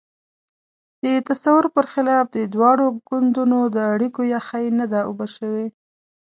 د تصور پر خلاف د دواړو ګوندونو د اړیکو یخۍ نه ده اوبه شوې.